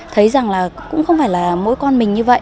thấy rằng là cũng không phải là mỗi con mình như vậy